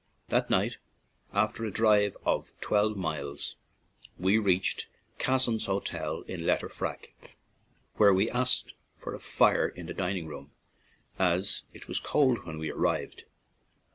That night, after a drive of twelve miles, we reached Casson's Hotel in Letterfrack, where we asked for a fire in the dining room, as it was cold when we arrived.